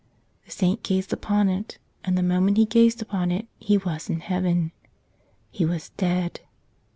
The saint gazed upon it; and the moment he gazed upon it he was in heaven. He was dead.